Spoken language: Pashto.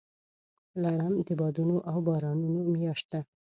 لړم د بادونو او بارانونو میاشت ده.